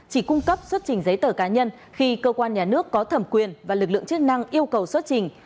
chỉ cung cấp xuất trình giấy tờ cá nhân khi cơ quan nhà nước có thẩm quyền và lực lượng chức năng yêu cầu xuất trình